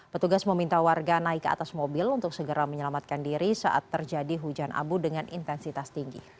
petugas meminta warga naik ke atas mobil untuk segera menyelamatkan diri saat terjadi hujan abu dengan intensitas tinggi